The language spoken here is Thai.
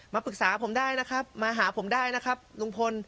ปรึกษาผมได้นะครับมาหาผมได้นะครับลุงพล